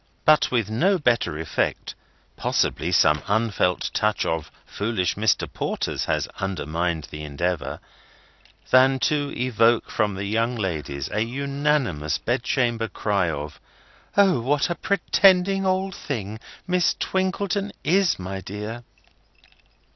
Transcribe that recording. But with no better effect—possibly some unfelt touch of foolish Mr. Porters has undermined the endeavour—than to evoke from the young ladies an unanimous bedchamber cry of "O, what a pretending old thing Miss Twinkleton is, my dear!"